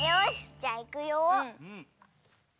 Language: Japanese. じゃあいくよ！